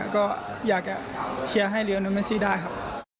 ก็อยากจะแชมป์ให้เรียนเรียนเมซี่ได้ครับ